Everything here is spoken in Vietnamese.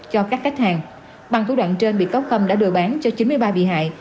cho các khách hàng bằng thủ đoạn trên bị cáo khâm đã đưa bán cho chín mươi ba bị hại